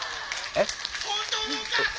えっ？